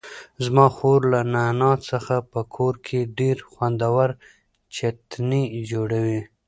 زما خور له نعناع څخه په کور کې ډېر خوندور چتني جوړوي.